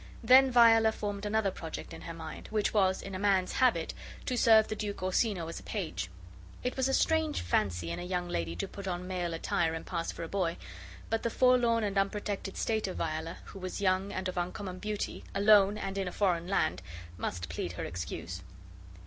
Then Viola formed another project in her mind, which was, in a man's habit, to serve the Duke Orsino as a page. It was a strange fancy in a young lady to put on male attire and pass for a boy; but the forlorn and unprotected state of Viola, who was young and of uncommon beauty, alone, and in a foreign land, must plead her excuse.